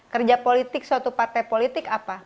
kerja politik suatu partai politik apa